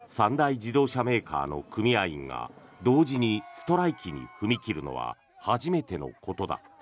ビッグスリーと呼ばれるアメリカの三大自動車メーカーの組合員が同時にストライキに踏み切るのは初めてのことだ。